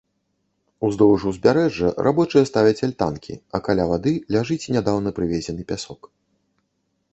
Уздоўж узбярэжжа рабочыя ставяць альтанкі, а каля вады ляжыць нядаўна прывезены пясок.